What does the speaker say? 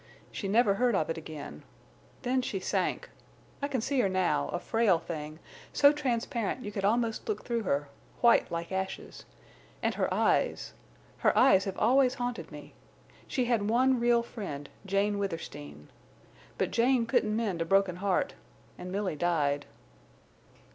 She never heard of it again. Then she sank.... I can see her now, a frail thing, so transparent you could almost look through her—white like ashes—and her eyes!... Her eyes have always haunted me. She had one real friend—Jane Withersteen. But Jane couldn't mend a broken heart, and Milly died."